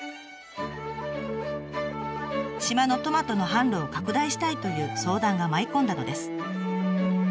島のトマトの販路を拡大したいという相談が舞い込んだのです。